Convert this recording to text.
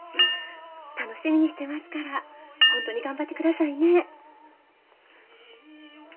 楽しみにしてますから本当に頑張って下さいね。